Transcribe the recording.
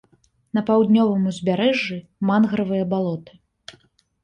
На паўднёвым узбярэжжы мангравыя балоты.